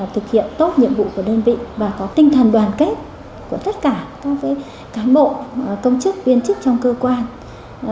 thực hiện tốt nhiệm vụ của đơn vị và có tinh thần đoàn kết của tất cả các cán bộ công chức viên chức trong cơ quan